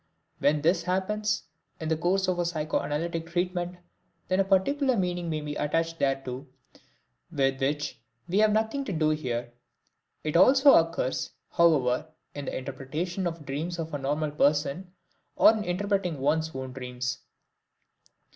When this happens in the course of a psychoanalytic treatment, then a particular meaning may be attached thereto, with which we have nothing to do here. It also occurs, however, in the interpretation of the dreams of a normal person or in interpreting one's own dreams.